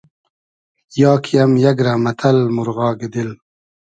یا کی ام یئگ رۂ مئتئل مورغاگی دیل